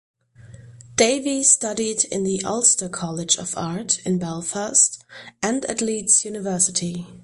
Davey studied in the Ulster College of Art in Belfast and at Leeds University.